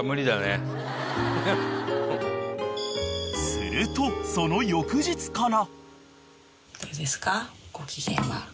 ［するとその翌日から］